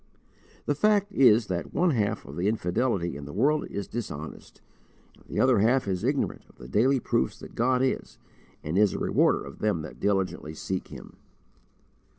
The fact is that one half of the infidelity in the world is dishonest, and the other half is ignorant of the daily proofs that God is, and is a Rewarder of them that diligently seek Him.